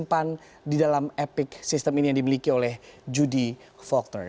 kesimpan di dalam epic system ini yang dimiliki oleh judy faulkner